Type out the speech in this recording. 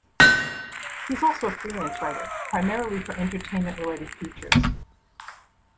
He is also a freelance writer, primarily for entertainment-related features.